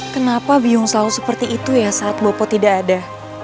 kenapa biung selalu seperti itu ya saat bopo tidak ada